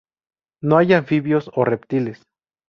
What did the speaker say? No hay anfibios o reptiles.